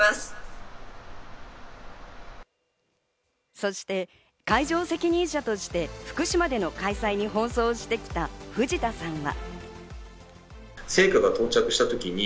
そして会場責任者として福島での開催に奔走してきた藤田さんは。